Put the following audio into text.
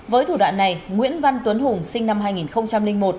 với thủ đoạn này nguyễn văn tuấn hùng sinh năm hai nghìn một